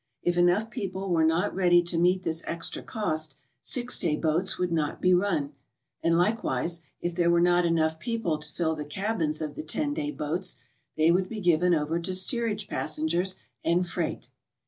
If enough people were not ready to meet this extra cost, six day boats would not be run. And likewise, if there were not enough people to fill the cabins of the ten day boats, they would be given over to steerage passengers and freight.